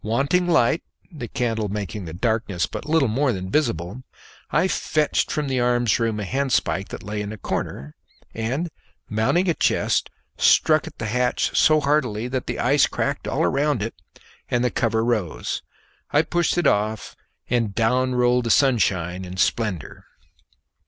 Wanting light the candle making the darkness but little more than visible I fetched from the arms room a handspike that lay in a corner, and, mounting a chest, struck at the hatch so heartily that the ice cracked all around it and the cover rose. I pushed it off, and down rolled the sunshine in splendour.